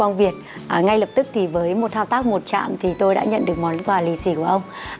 ông việt ngay lập tức thì với một thao tác một chạm thì tôi đã nhận được món quà lì xì của ông